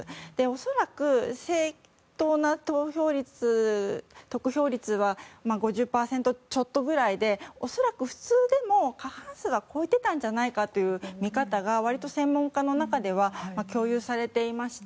恐らく正当な得票率は５０％ちょっとくらいで恐らく、普通でも過半数は超えていたんじゃないかというのが割と専門家の中では共有されていまして